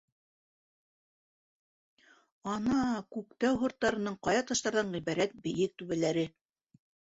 Ана, Күктау һырттарының ҡая таштарҙан ғибәрәт бейек түбәләре.